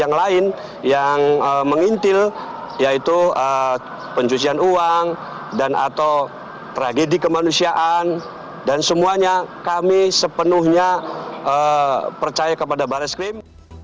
yang lain yang mengintil yaitu pencucian uang dan atau tragedi kemanusiaan dan semuanya kami sepenuhnya percaya kepada baris krim